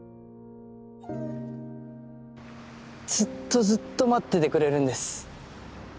ずっとずっと待っててくれるんです。